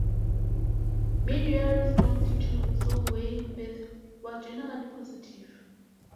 Media response to "Solway Firth" was generally positive.